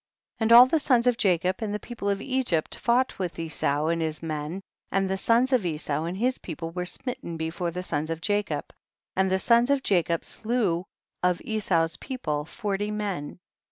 61. And all the sons of Jacob and the people of Egypt fought with Esau and his men, and the sons of Esau and his people were smitten before the sons of Jacob, and the THE BOOK OF JASHER. 185 sons of Jacob slew of Esau's people forty men.